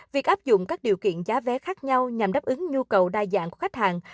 việc áp dụng các điều kiện giá vé khác nhau nhằm đáp ứng nhu cầu đa dạng của khách hàng